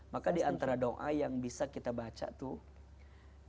maka diantara doa yang bisa kita baca tuh